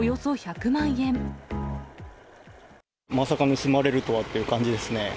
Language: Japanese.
まさか盗まれるとはっていう感じですね。